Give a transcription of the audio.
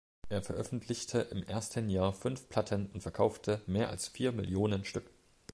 Er veröffentlichte im ersten Jahr fünf Platten und verkaufte mehr als vier Millionen Stück.